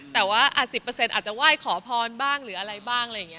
แต่ว่า๑๐อาจจะไหว้ขอพรบ้างหรืออะไรบ้าง